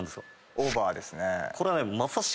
オーバーですね。